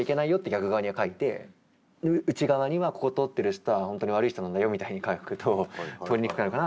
逆側には書いて内側にはここ通ってる人は本当に悪い人なんだよみたいに書くと通りにくくなるかな？